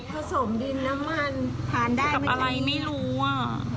กระสมดินน้ำมันทานได้มั้ยคะ